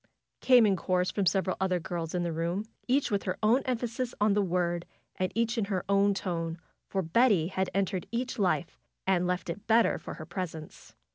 came in chorus from several other girls in the room; each with her own emphasis on the word, and each in her own tone, for Betty had entered each life and left it better for her presence.